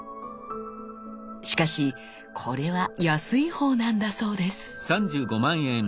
しかしこれは安いほうなんだそうです。